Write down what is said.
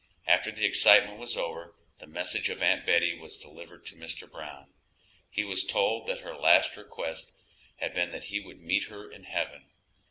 After the excitement was over the message of Aunt Betty was delivered to Mr. Brown; he was told that her last request had been that he would meet her in heaven.